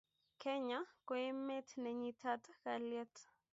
kenya ko emet nenyitat kalyet